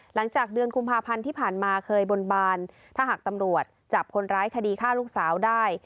หลังจากเดือนกุมภาพันธ์ที่ผ่านมาเคยบนบานถ้าหากตำรวจจับคนร้ายคดีฆ่าลูกสาวได้